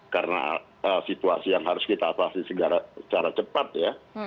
karena situasi yang harus kita atasi secara cepat ya